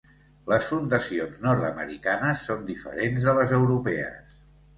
Les fundacions nord-americanes són diferents de les europees.